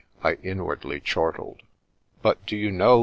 I inwardly chortled ). But, do you know.